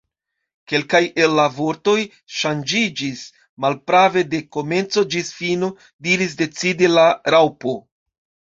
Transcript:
"Kelkaj el la vortoj ŝanĝiĝis." "Malprave, de komenco ĝis fino," diris decide la Raŭpo.